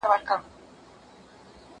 کتابونه د زده کوونکي له خوا ليکل کيږي!!